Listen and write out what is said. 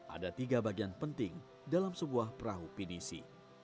ada tiga bagian penting dalam sebuah perahu pinisi